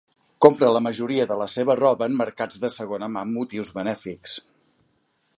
Compra la majoria de la seva roba en mercats de segona mà amb motius benèfics.